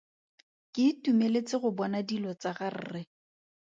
Ke itumeletse go bona dilo tsa ga rre.